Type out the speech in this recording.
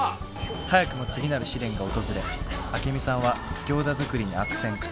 早くも次なる試練が訪れアケミさんはギョーザ作りに悪戦苦闘。